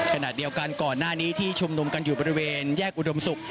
ขณะเดียวกันก่อนหน้านี้ที่ชุมนุมกันอยู่บริเวณแยกอุดมศุกร์